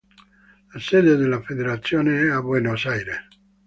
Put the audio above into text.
La sede della federazione è a Buenos Aires.